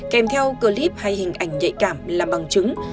kèm theo clip hay hình ảnh nhạy cảm là bằng chứng